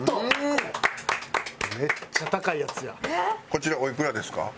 こちらおいくらですか？